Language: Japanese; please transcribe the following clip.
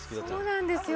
そうなんですよ。